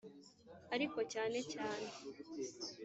ariko cyane cyane ...